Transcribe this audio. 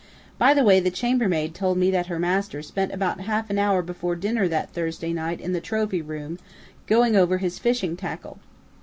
By the way, the chambermaid told me that her master spent about half an hour before dinner that Thursday night in the trophy room, 'going over his fishing tackle'....